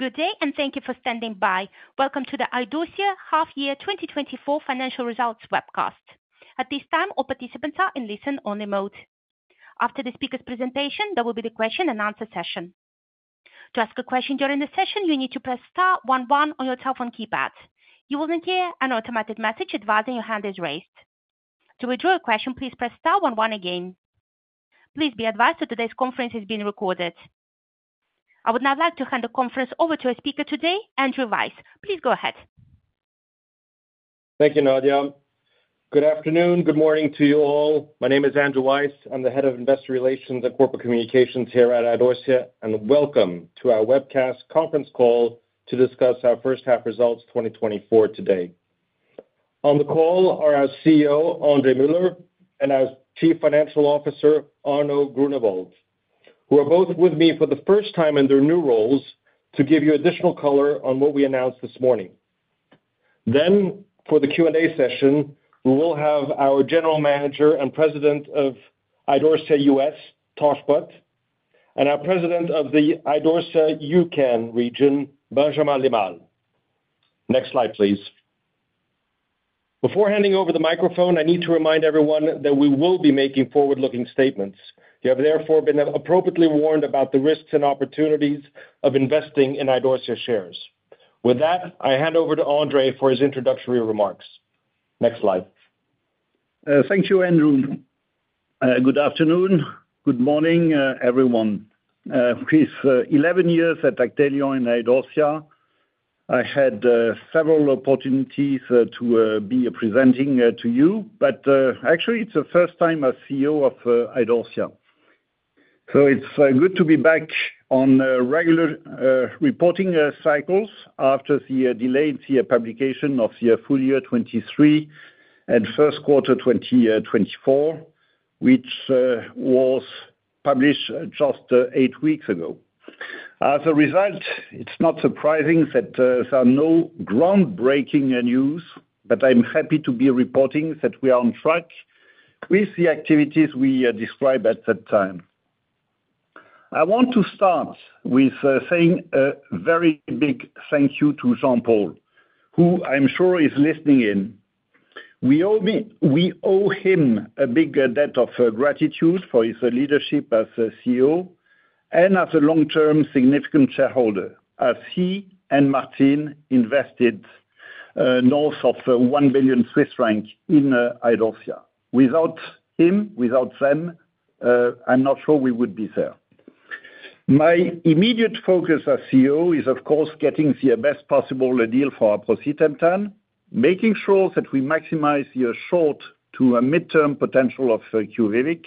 Good day, and thank you for standing by. Welcome to the Idorsia Half-Year 2024 Financial Results Webcast. At this time, all participants are in listen-only mode. After the speaker's presentation, there will be the question-and-answer session. To ask a question during the session, you need to press star one one on your telephone keypad. You will then hear an automated message advising your hand is raised. To withdraw your question, please press star one one again. Please be advised that today's conference is being recorded. I would now like to hand the conference over to our speaker today, Andrew Weiss. Please go ahead. Thank you, Nadia. Good afternoon, good morning to you all. My name is Andrew Weiss. I'm the Head of Investor Relations and Corporate Communications here at Idorsia, and welcome to our webcast conference call to discuss our First Half Results 2024 today. On the call are our CEO, André Muller, and our Chief Financial Officer, Arno Groenewoud, who are both with me for the first time in their new roles to give you additional color on what we announced this morning. Then, for the Q&A session, we will have our General Manager and President of Idorsia US, Tosh Butt, and our President of the Idorsia EUCAN region, Benjamin Limal. Next slide, please. Before handing over the microphone, I need to remind everyone that we will be making forward-looking statements. You have therefore been appropriately warned about the risks and opportunities of investing in Idorsia shares. With that, I hand over to André for his introductory remarks. Next slide. Thank you, Andrew. Good afternoon, good morning, everyone. With 11 years at Actelion in Idorsia, I had several opportunities to be presenting to you, but actually, it's the first time as CEO of Idorsia. So it's good to be back on regular reporting cycles after the delayed publication of the full year 2023 and first quarter 2024, which was published just eight weeks ago. As a result, it's not surprising that there are no groundbreaking news, but I'm happy to be reporting that we are on track with the activities we described at that time. I want to start with saying a very big thank you to Jean-Paul, who I'm sure is listening in. We owe him a big debt of gratitude for his leadership as CEO and as a long-term significant shareholder, as he and Martine invested north of 1 billion Swiss francs in Idorsia. Without him, without them, I'm not sure we would be there. My immediate focus as CEO is, of course, getting the best possible deal for our aprocitentan, making sure that we maximize the short- to mid-term potential of QUVIVIQ,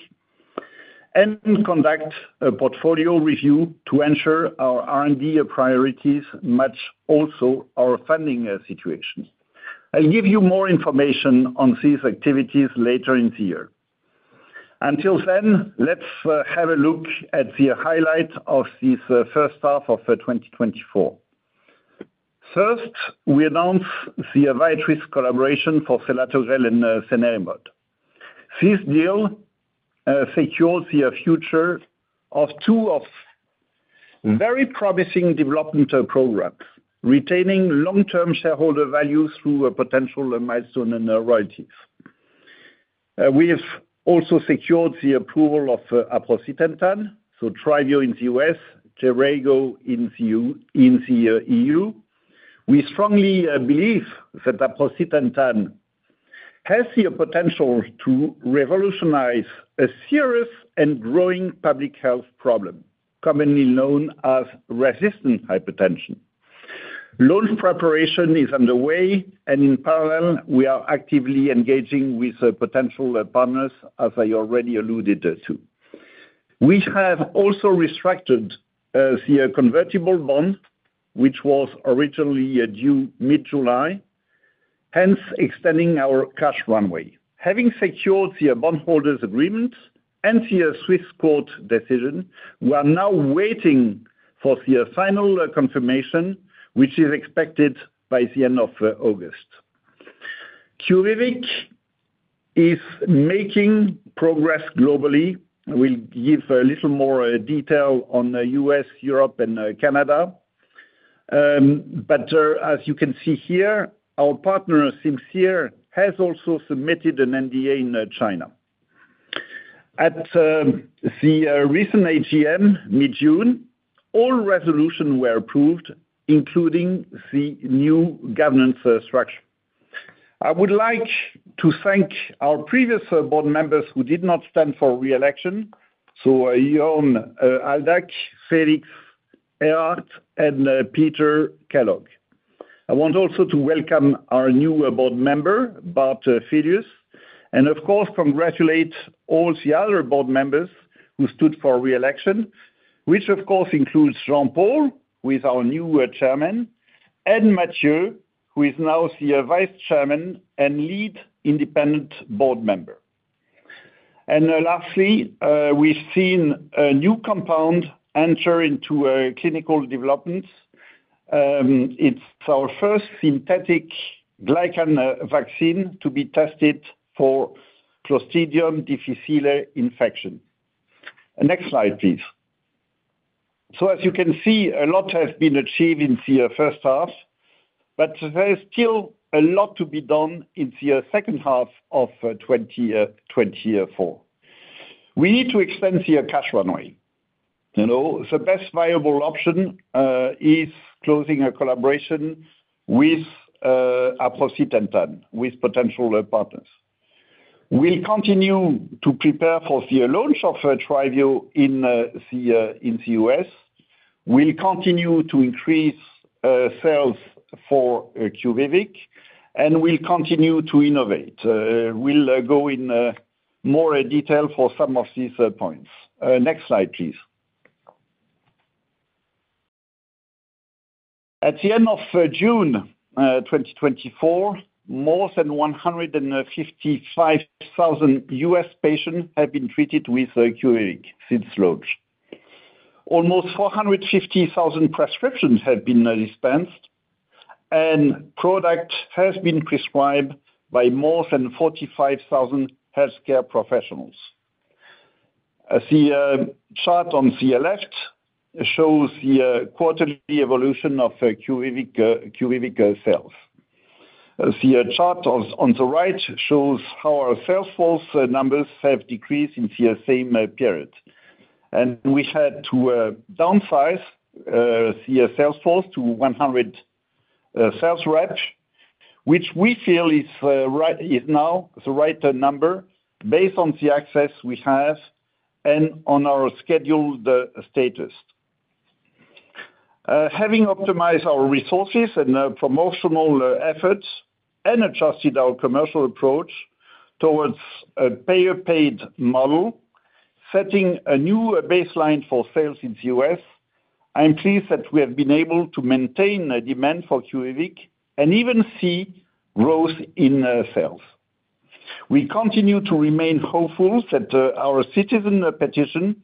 and conduct a portfolio review to ensure our R&D priorities match also our funding situation. I'll give you more information on these activities later in the year. Until then, let's have a look at the highlight of this first half of 2024. First, we announced the Viatris collaboration for selatogrel and cenerimod. This deal secures the future of two very promising development programs, retaining long-term shareholder value through potential milestone royalties. We've also secured the approval of aprocitentan, so TRYVIO in the US, JERAYGO in the EU. We strongly believe that aprocitentan has the potential to revolutionize a serious and growing public health problem, commonly known as resistant hypertension. Launch preparation is underway, and in parallel, we are actively engaging with potential partners, as I already alluded to. We have also restructured the convertible bond, which was originally due mid-July, hence extending our cash runway. Having secured the bondholders' agreement and the Swiss court decision, we are now waiting for the final confirmation, which is expected by the end of August. QUVIVIQ is making progress globally. I will give a little more detail on the U.S., Europe, and Canada, but as you can see here, our partner, Simcere, has also submitted an NDA in China. At the recent AGM mid-June, all resolutions were approved, including the new governance structure. I would like to thank our previous board members who did not stand for reelection, so Jørn Aldag, Felix Ehrat, and Peter Kellogg. I want also to welcome our new board member, Bart Filius, and of course, congratulate all the other board members who stood for reelection, which of course includes Jean-Paul, who is our new chairman, and Mathieu, who is now the Vice Chairman and lead independent board member. And lastly, we've seen a new compound enter into clinical development. It's our first synthetic glycan vaccine to be tested for Clostridioides difficile infection. Next slide, please. So as you can see, a lot has been achieved in the first half, but there's still a lot to be done in the second half of 2024. We need to extend the cash runway. The best viable option is closing a collaboration with a aprocitentan with potential partners. We'll continue to prepare for the launch of TRYVIO in the US. We'll continue to increase sales for QUVIVIQ, and we'll continue to innovate. We'll go in more detail for some of these points. Next slide, please. At the end of June 2024, more than 155,000 US patients have been treated with QUVIVIQ since launch. Almost 450,000 prescriptions have been dispensed, and product has been prescribed by more than 45,000 healthcare professionals. The chart on the left shows the quarterly evolution of QUVIVIQ sales. The chart on the right shows how our sales force numbers have decreased in the same period. We had to downsize the sales force to 100 sales reps, which we feel is now the right number based on the access we have and on our scheduled status. Having optimized our resources and promotional efforts and adjusted our commercial approach towards a payer-paid model, setting a new baseline for sales in the U.S., I'm pleased that we have been able to maintain demand for QUVIVIQ and even see growth in sales. We continue to remain hopeful that our citizen petition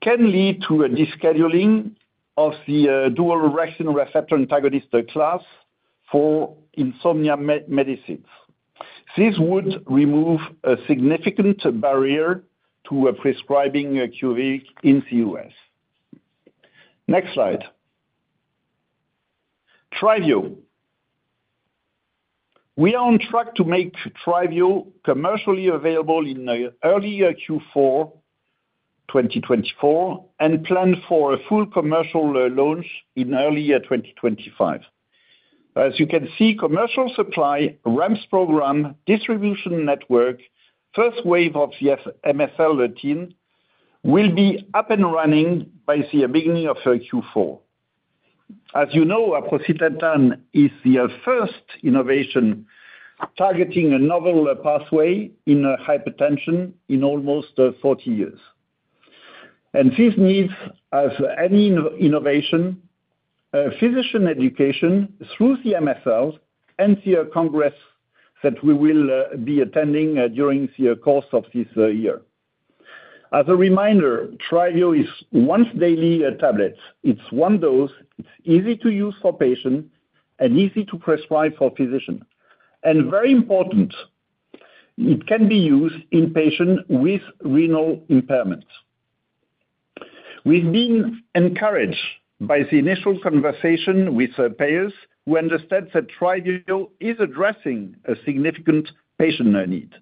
can lead to a rescheduling of the dual orexin receptor antagonist class for insomnia medicines. This would remove a significant barrier to prescribing QUVIVIQ in the U.S. Next slide. TRYVIO. We are on track to make TRYVIO commercially available in early Q4 2024 and plan for a full commercial launch in early 2025. As you can see, commercial supply, REMS program, distribution network, first wave of the MSL team will be up and running by the beginning of Q4. As you know, aprocitentan is the first innovation targeting a novel pathway in hypertension in almost 40 years. And this needs, as any innovation, physician education through the MSL and the congress that we will be attending during the course of this year. As a reminder, TRYVIO is once-daily tablets. It's one dose. It's easy to use for patients and easy to prescribe for physicians. And very important, it can be used in patients with renal impairments. We've been encouraged by the initial conversation with payers who understood that TRYVIO is addressing a significant patient need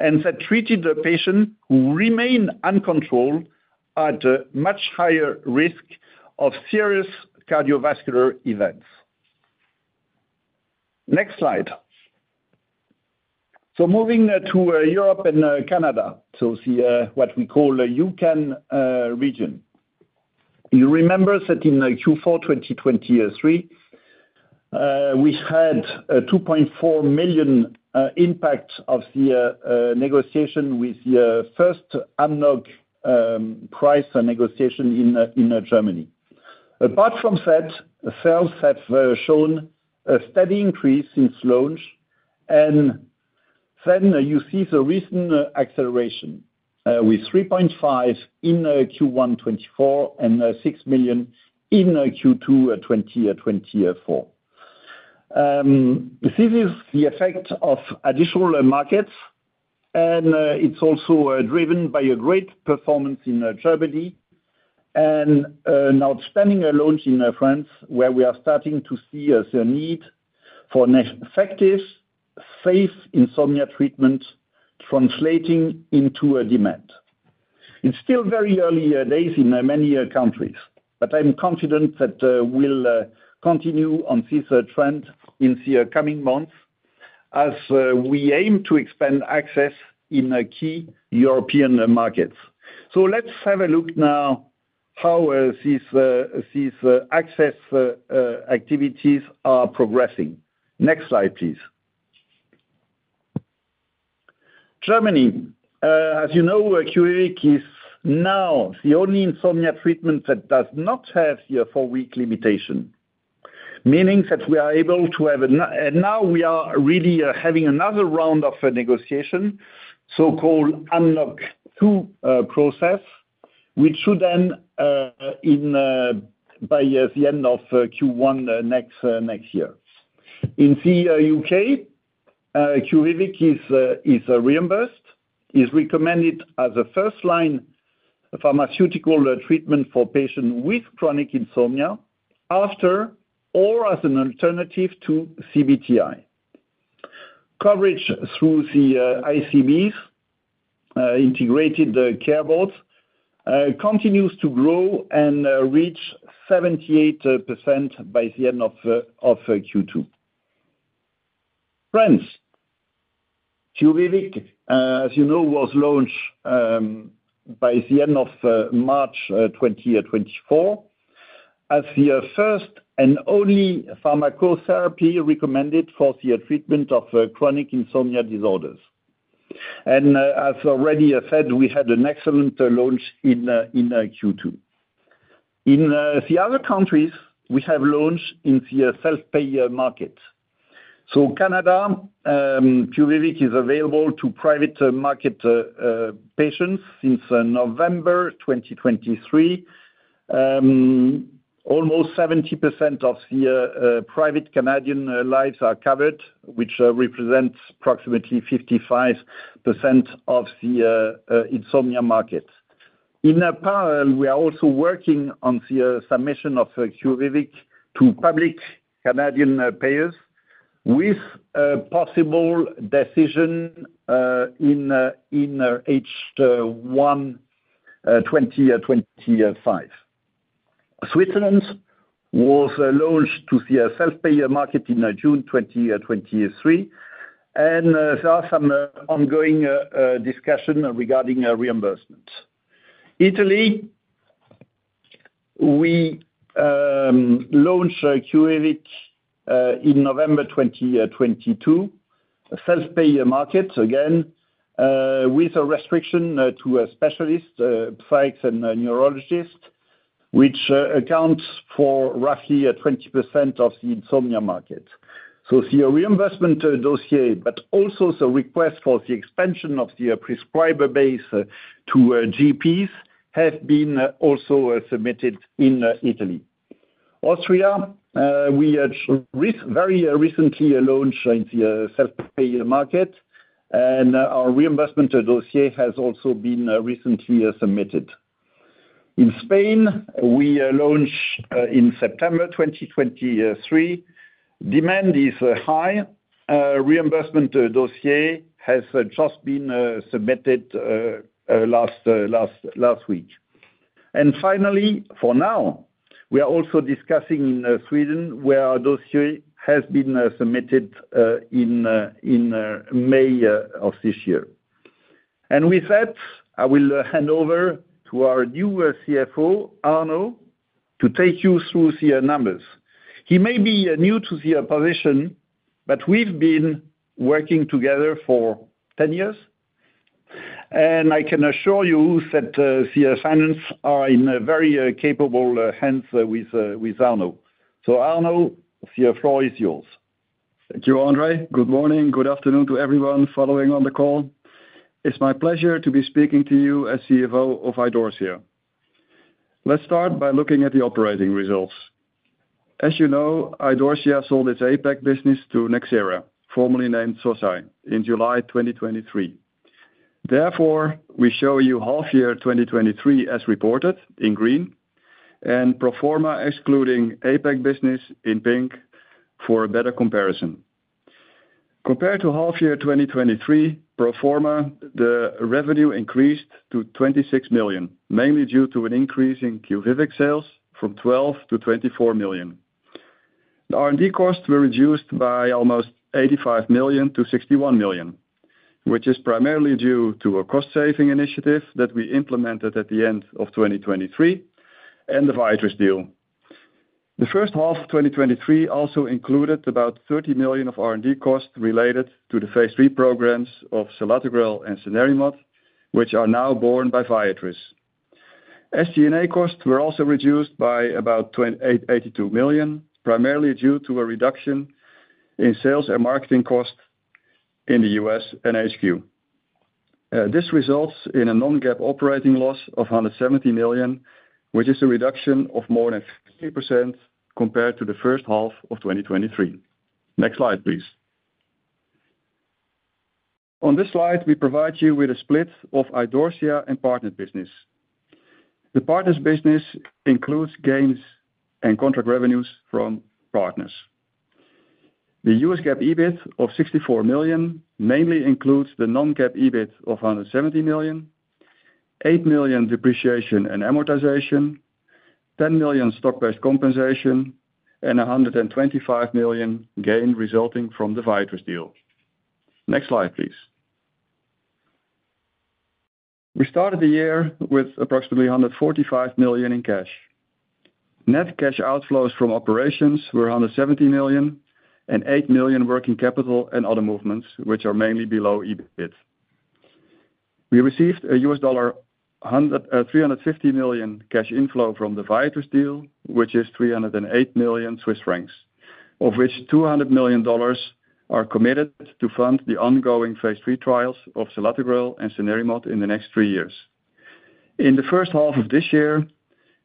and that treating the patients who remain uncontrolled at a much higher risk of serious cardiovascular events. Next slide. So moving to Europe and Canada, so what we call the EUCAN region. You remember that in Q4 2023, we had a 2.4 million impact of the negotiation with the first AMNOG price negotiation in Germany. Apart from that, sales have shown a steady increase since launch, and then you see the recent acceleration with 3.5 million in Q1 2024 and 6 million in Q2 2024. This is the effect of additional markets, and it's also driven by a great performance in Germany and an outstanding launch in France, where we are starting to see the need for effective, safe insomnia treatment translating into a demand. It's still very early days in many countries, but I'm confident that we'll continue on this trend in the coming months as we aim to expand access in key European markets. So let's have a look now at how these access activities are progressing. Next slide, please. Germany, as you know, QUVIVIQ is now the only insomnia treatment that does not have the four-week limitation, meaning that we are able to have. Now we are really having another round of negotiation, so-called AMNOG II process, which should end by the end of Q1 next year. In the UK, QUVIVIQ is reimbursed, is recommended as a first-line pharmaceutical treatment for patients with chronic insomnia after or as an alternative to CBT-I. Coverage through the ICBs, integrated care boards, continues to grow and reach 78% by the end of Q2. France, QUVIVIQ, as you know, was launched by the end of March 2024 as the first and only pharmacotherapy recommended for the treatment of chronic insomnia disorders. And as already said, we had an excellent launch in Q2. In the other countries, we have launched in the self-pay market. So Canada, QUVIVIQ is available to private market patients since November 2023. Almost 70% of the private Canadian lives are covered, which represents approximately 55% of the insomnia market. In parallel, we are also working on the submission of QUVIVIQ to public Canadian payers with a possible decision in H1 2025. Switzerland was launched to the self-pay market in June 2023, and there are some ongoing discussions regarding reimbursement. Italy, we launched QUVIVIQ in November 2022, self-pay market again with a restriction to specialists, psychs, and neurologists, which accounts for roughly 20% of the insomnia market. So the reimbursement dossier, but also the request for the expansion of the prescriber base to GPs have been also submitted in Italy. Austria, we very recently launched the self-pay market, and our reimbursement dossier has also been recently submitted. In Spain, we launched in September 2023. Demand is high. Reimbursement dossier has just been submitted last week. Finally, for now, we are also discussing in Sweden where our dossier has been submitted in May of this year. With that, I will hand over to our new CFO, Arno, to take you through the numbers. He may be new to the position, but we've been working together for 10 years, and I can assure you that the finance are in a very capable hands with Arno. So Arno, the floor is yours. Thank you, André. Good morning. Good afternoon to everyone following on the call. It's my pleasure to be speaking to you as CFO of Idorsia. Let's start by looking at the operating results. As you know, Idorsia sold its APAC business to Nxera, formerly named Sosei, in July 2023. Therefore, we show you half-year 2023 as reported in green and pro forma, excluding APAC business in pink for a better comparison. Compared to half-year 2023, pro forma, the revenue increased to 26 million, mainly due to an increase in QUVIVIQ sales from 12 million to 24 million. The R&D costs were reduced by almost 85 million to 61 million, which is primarily due to a cost-saving initiative that we implemented at the end of 2023 and the Viatris deal. The first half of 2023 also included about 30 million of R&D costs related to the phase three programs of selatogrel and cenerimod, which are now borne by Viatris. SG&A costs were also reduced by about 82 million, primarily due to a reduction in sales and marketing costs in the U.S. and HQ. This results in a non-GAAP operating loss of 170 million, which is a reduction of more than 50% compared to the first half of 2023. Next slide, please. On this slide, we provide you with a split of Idorsia and partner business. The partner's business includes gains and contract revenues from partners. The US GAAP EBIT of 64 million mainly includes the non-GAAP EBIT of 170 million, 8 million depreciation and amortization, 10 million stock-based compensation, and 125 million gain resulting from the Viatris deal. Next slide, please. We started the year with approximately 145 million in cash. Net cash outflows from operations were 170 million and 8 million working capital and other movements, which are mainly below EBIT. We received a $350 million cash inflow from the Viatris deal, which is 308 million Swiss francs, of which $200 million are committed to fund the ongoing phase 3 trials of selatogrel and cenerimod in the next three years. In the first half of this year,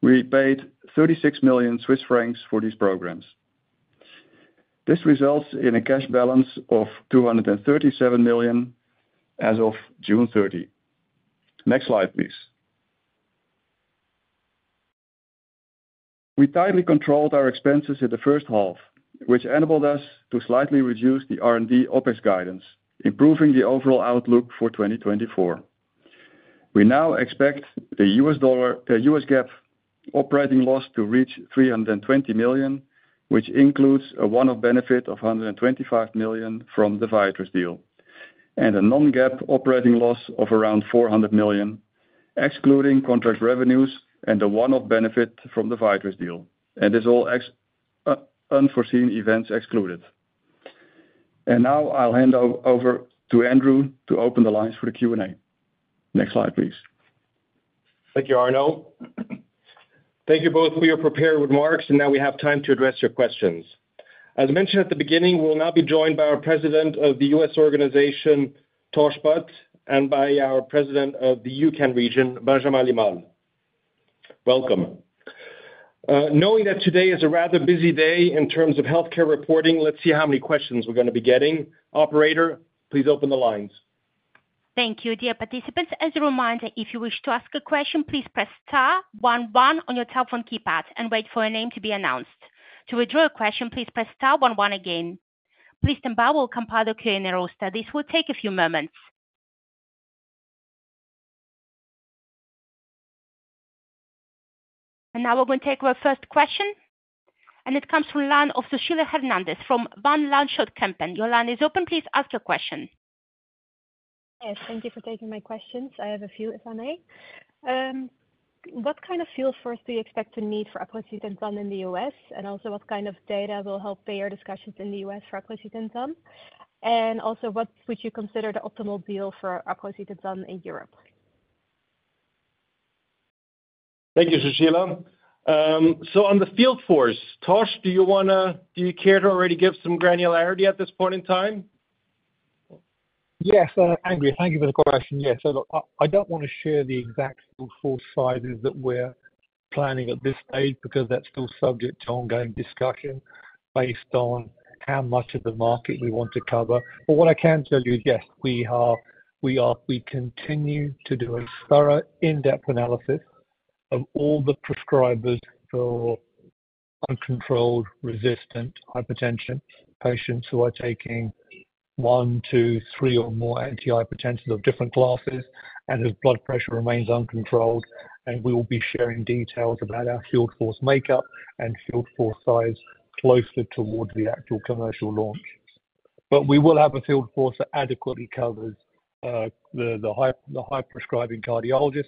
we paid 36 million Swiss francs for these programs. This results in a cash balance of 237 million as of June 30. Next slide, please. We tightly controlled our expenses in the first half, which enabled us to slightly reduce the R&D OpEx guidance, improving the overall outlook for 2024. We now expect the U.S. GAAP operating loss to reach 320 million, which includes a one-off benefit of 125 million from the Viatris deal and a non-GAAP operating loss of around 400 million, excluding contract revenues and the one-off benefit from the Viatris deal. These are all unforeseen events excluded. Now I'll hand over to Andrew to open the lines for the Q&A. Next slide, please. Thank you, Arno. Thank you both for your prepared remarks, and now we have time to address your questions. As mentioned at the beginning, we'll now be joined by our President of the U.S. organization, Tosh Butt, and by our President of the EUCAN region, Benjamin Limal. Welcome. Knowing that today is a rather busy day in terms of healthcare reporting, let's see how many questions we're going to be getting. Operator, please open the lines. Thank you. Dear participants, as a reminder, if you wish to ask a question, please press star one one on your telephone keypad and wait for a name to be announced. To withdraw a question, please press star one one again. Please stand by, we'll compile the Q&A roster. This will take a few moments. Now we're going to take our first question, and it comes from the line of Sushila Hernandez from Van Lanschot Kempen. Your line is open. Please ask your question. Yes, thank you for taking my questions. I have a few, if I may. What kind of field force do you expect to need for aprocitentan in the US? And also, what kind of data will help payer discussions in the US for aprocitentan? And also, what would you consider the optimal deal for aprocitentan in Europe? Thank you, Sushila. On the field force, Tosh, do you care to already give some granularity at this point in time? Yes, Andrew, thank you for the question. Yes, I don't want to share the exact field force sizes that we're planning at this stage because that's still subject to ongoing discussion based on how much of the market we want to cover. But what I can tell you is, yes, we continue to do a thorough in-depth analysis of all the prescribers for uncontrolled resistant hypertension patients who are taking one, two, three, or more antihypertensives of different classes and whose blood pressure remains uncontrolled. And we will be sharing details about our field force makeup and field force size closer towards the actual commercial launch. But we will have a field force that adequately covers the high-prescribing cardiologists,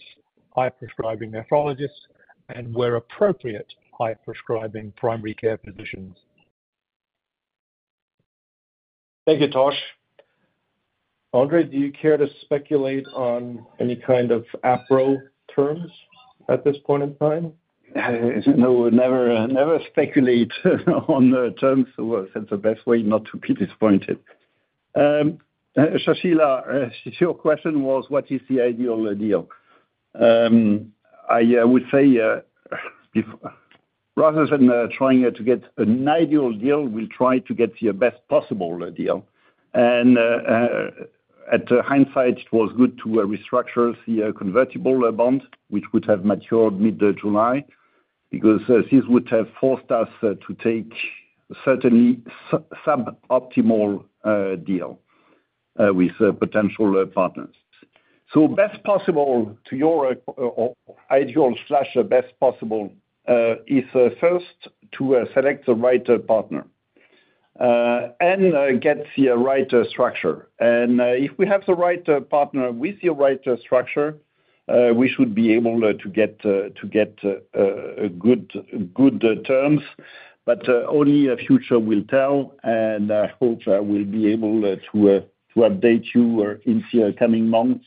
high-prescribing nephrologists, and where appropriate, high-prescribing primary care physicians. Thank you, Tosh. André, do you care to speculate on any kind of aprocitentan terms at this point in time? No, never speculate on the terms. That's the best way not to be disappointed. Sushila, your question was, what is the ideal deal? I would say, rather than trying to get an ideal deal, we'll try to get the best possible deal. In hindsight, it was good to restructure the convertible bond, which would have matured mid-July, because this would have forced us to take certainly suboptimal deals with potential partners. Best possible to your ideal slash best possible is first to select the right partner and get the right structure. If we have the right partner with the right structure, we should be able to get good terms, but only the future will tell. I hope we'll be able to update you in the coming months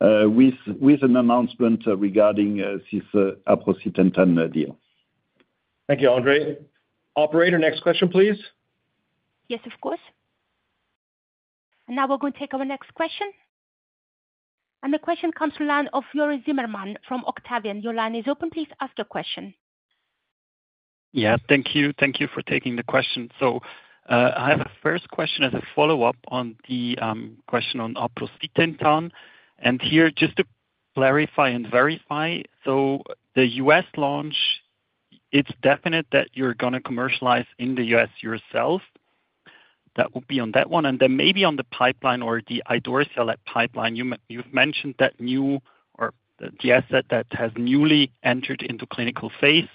with an announcement regarding this aprocitentan deal. Thank you, André. Operator, next question, please. Yes, of course. And now we're going to take our next question. And the question comes from the line of Joris Zimmermann from Octavian. Your line is open. Please ask your question. Yes, thank you. Thank you for taking the question. So I have a first question as a follow-up on the question on aprocitentan. And here, just to clarify and verify, so the US launch, it's definite that you're going to commercialize in the US yourself. That would be on that one. And then maybe on the pipeline or the Idorsia pipeline, you've mentioned that new or the asset that has newly entered into clinical phase.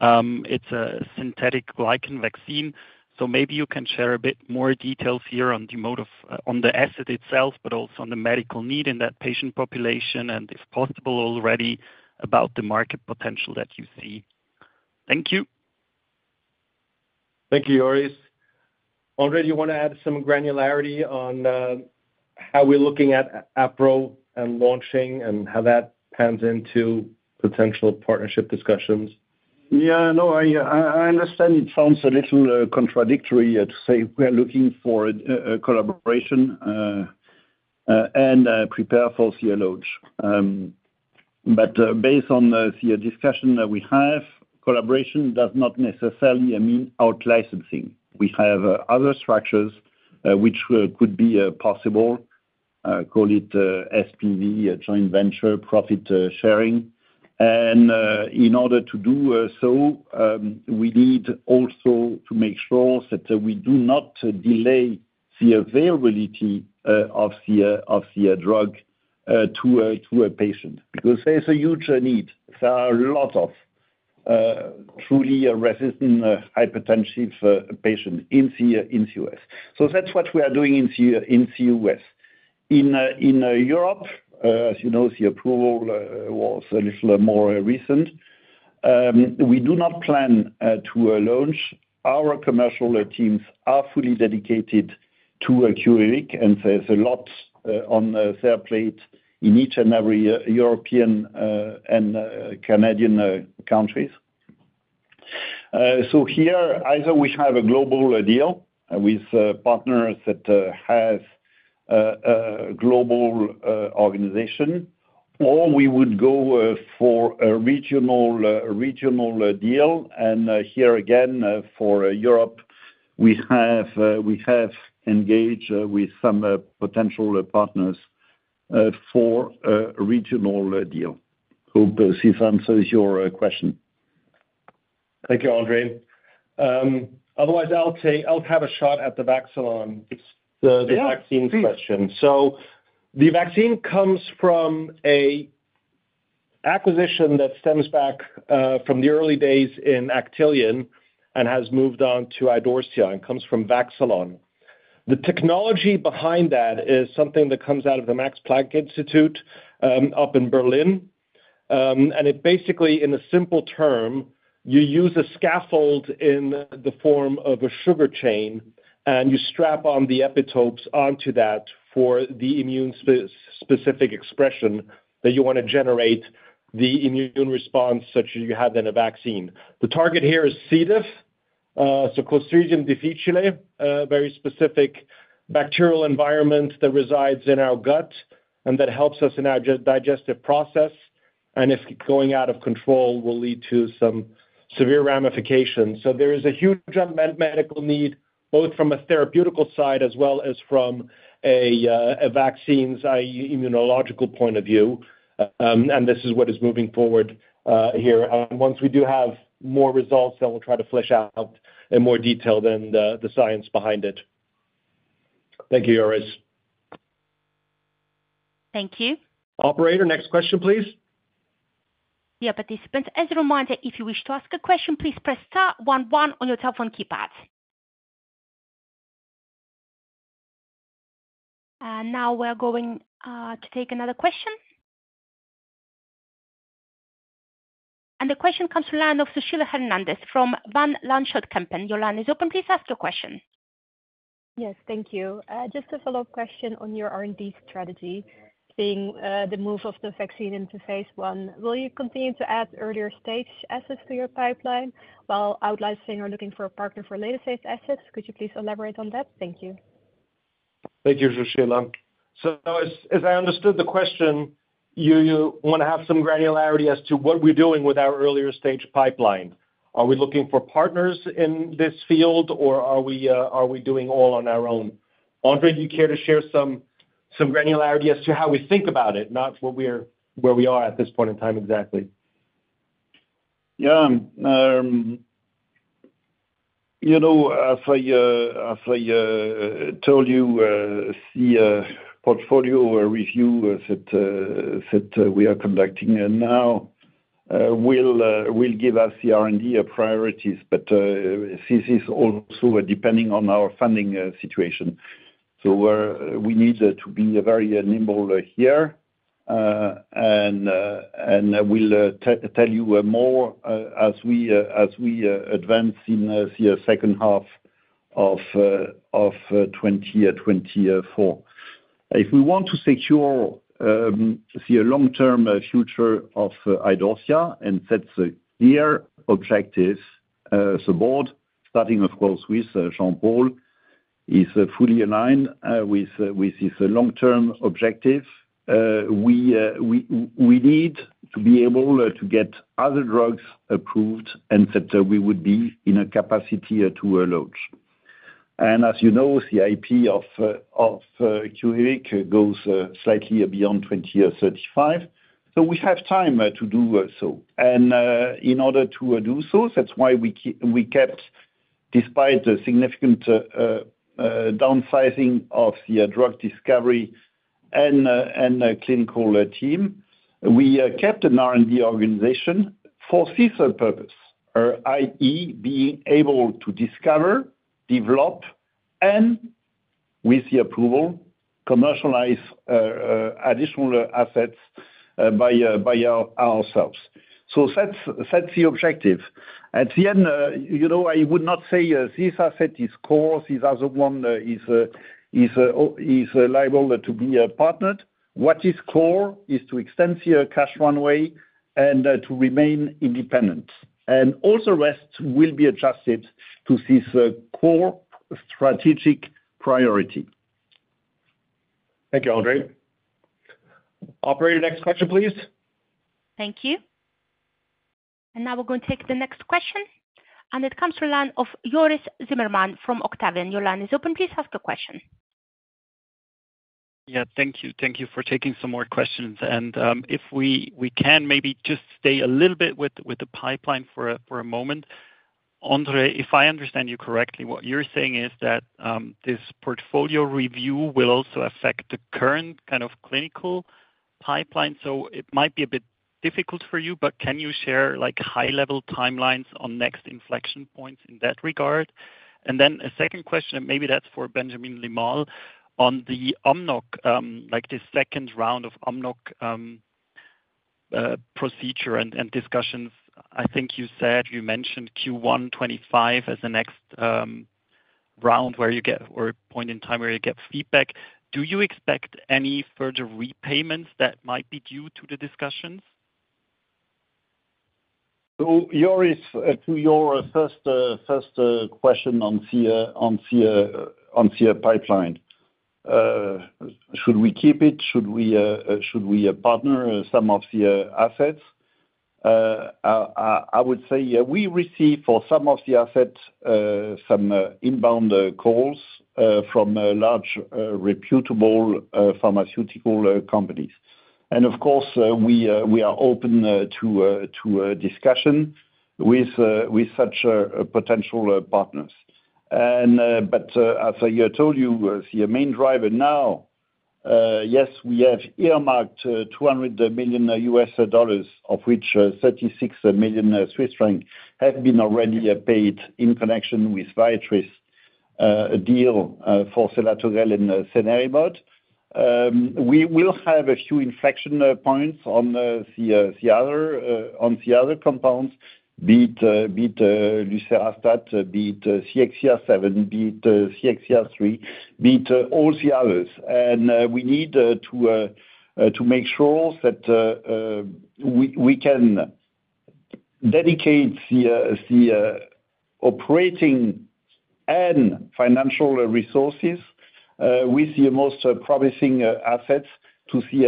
It's a synthetic glycan vaccine. So maybe you can share a bit more details here on the asset itself, but also on the medical need in that patient population and, if possible, already about the market potential that you see. Thank you. Thank you, Joris. André, do you want to add some granularity on how we're looking at aprocitentan and launching, and how that pans into potential partnership discussions? Yeah, no, I understand it sounds a little contradictory to say we're looking for a collaboration and prepare for the launch. But based on the discussion that we have, collaboration does not necessarily mean outlicensing. We have other structures which could be possible, call it SPV, joint venture, profit sharing. And in order to do so, we need also to make sure that we do not delay the availability of the drug to a patient because there's a huge need. There are a lot of truly resistant hypertensive patients in the US. So that's what we are doing in the US. In Europe, as you know, the approval was a little more recent. We do not plan to launch. Our commercial teams are fully dedicated to QUVIVIQ, and there's a lot on their plate in each and every European and Canadian countries. So here, either we have a global deal with partners that have a global organization, or we would go for a regional deal. And here again, for Europe, we have engaged with some potential partners for a regional deal. Hope this answers your question. Thank you, André. Otherwise, I'll have a shot at the Vaxxilon, the vaccine question. So the vaccine comes from an acquisition that stems back from the early days in Actelion and has moved on to Idorsia, and comes from Vaxxilon. The technology behind that is something that comes out of the Max Planck Institute up in Berlin. It basically, in a simple term, you use a scaffold in the form of a sugar chain, and you strap on the epitopes onto that for the immune-specific expression that you want to generate the immune response such as you have in a vaccine. The target here is C. diff, so Clostridium difficile, a very specific bacterial environment that resides in our gut and that helps us in our digestive process. If going out of control will lead to some severe ramifications. There is a huge unmet medical need both from a therapeutical side as well as from a vaccine's immunological point of view. This is what is moving forward here. Once we do have more results, then we'll try to flesh out in more detail than the science behind it. Thank you, Joris. Thank you. Operator, next question, please. Dear participants, as a reminder, if you wish to ask a question, please press star one one on your telephone keypad. Now we're going to take another question. The question comes from the line of Sushila Hernandez from Van Lanschot Kempen. Your line is open. Please ask your question. Yes, thank you. Just a follow-up question on your R&D strategy, seeing the move of the vaccine into phase one. Will you continue to add earlier-stage assets to your pipeline while outlicensing or looking for a partner for later-stage assets? Could you please elaborate on that? Thank you. Thank you, Sushila. So, as I understood the question, you want to have some granularity as to what we're doing with our earlier-stage pipeline. Are we looking for partners in this field, or are we doing all on our own? André, do you care to share some granularity as to how we think about it, not where we are at this point in time exactly? Yeah. As I told you, the portfolio review that we are conducting now will give us the R&D priorities, but this is also depending on our funding situation. So we need to be very nimble here, and we'll tell you more as we advance in the second half of 2024. If we want to secure the long-term future of Idorsia and set the clear objectives, the board, starting of course with Jean-Paul, is fully aligned with this long-term objective. We need to be able to get other drugs approved and that we would be in a capacity to launch. And as you know, the IP of QUVIVIQ goes slightly beyond 2035. So we have time to do so. In order to do so, that's why we kept, despite the significant downsizing of the drug discovery and clinical team, we kept an R&D organization for this purpose, i.e., being able to discover, develop, and with the approval, commercialize additional assets by ourselves. So that's the objective. At the end, I would not say this asset is core. This other one is liable to be partnered. What is core is to extend the cash runway and to remain independent. All the rest will be adjusted to this core strategic priority. Thank you, André. Operator, next question, please. Thank you. Now we're going to take the next question. It comes from the line of Joris Zimmermann from Octavian. Your line is open. Please ask a question. Yeah, thank you. Thank you for taking some more questions. And if we can, maybe just stay a little bit with the pipeline for a moment. André, if I understand you correctly, what you're saying is that this portfolio review will also affect the current kind of clinical pipeline. So it might be a bit difficult for you, but can you share high-level timelines on next inflection points in that regard? And then a second question, and maybe that's for Benjamin Limal, on the second round of AMNOG procedure and discussions. I think you said you mentioned Q1 2025 as the next round where you get or point in time where you get feedback. Do you expect any further repayments that might be due to the discussions? Joris, to your first question on the pipeline, should we keep it? Should we partner some of the assets? I would say we receive for some of the assets some inbound calls from large reputable pharmaceutical companies. And of course, we are open to discussion with such potential partners. But as I told you, the main driver now, yes, we have earmarked $200 million, of which 36 million Swiss francs have been already paid in connection with Viatris deal for selatogrel and cenerimod. We will have a few inflection points on the other compounds, be it lucerastat, be it CXCR7, be it CXCR3, be it all the others. And we need to make sure that we can dedicate the operating and financial resources with the most promising assets to see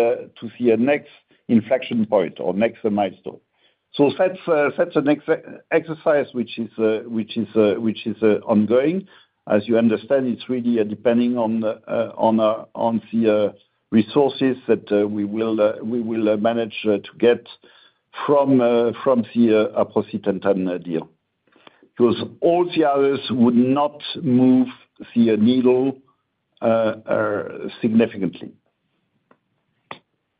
a next inflection point or next milestone. So that's an exercise which is ongoing. As you understand, it's really depending on the resources that we will manage to get from the aprocitentan deal. Because all the others would not move the needle significantly.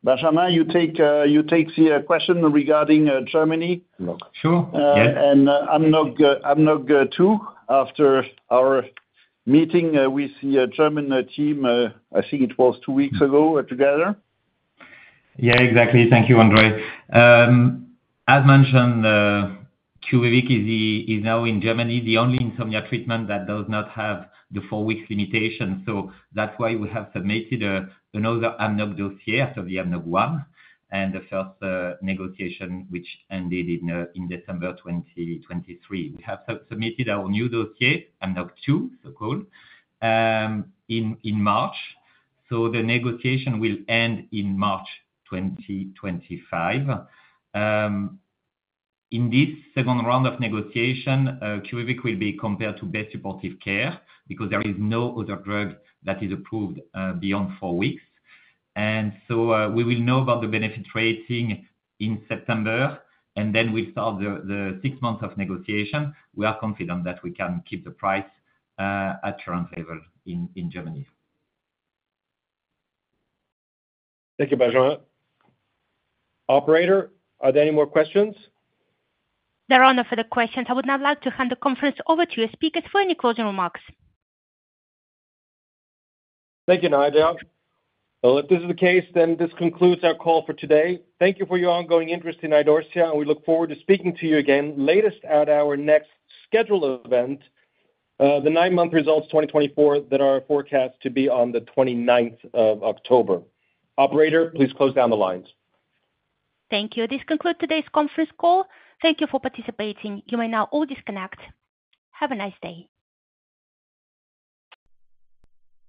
Benjamin, you take the question regarding Germany? Sure. And AMNOG too, after our meeting with the German team, I think it was two weeks ago together. Yeah, exactly. Thank you, André. As mentioned, QUVIVIQ is now in Germany, the only insomnia treatment that does not have the four-week limitation. So that's why we have submitted another AMNOG dossier after the AMNOG 1 and the first negotiation, which ended in December 2023. We have submitted our new dossier, AMNOG 2, so called, in March. So the negotiation will end in March 2025. In this second round of negotiation, QUVIVIQ will be compared to best supportive care because there is no other drug that is approved beyond four weeks. And so we will know about the benefit rating in September, and then we'll start the six months of negotiation. We are confident that we can keep the price at current level in Germany. Thank you, Benjamin. Operator, are there any more questions? There are no further questions. I would now like to hand the conference over to your speakers for any closing remarks. Thank you, Nadia. Well, if this is the case, then this concludes our call for today. Thank you for your ongoing interest in Idorsia, and we look forward to speaking to you again, latest at our next scheduled event, the nine-month results 2024 that are forecast to be on the 29th of October. Operator, please close down the lines. Thank you. This concludes today's conference call. Thank you for participating. You may now all disconnect. Have a nice day.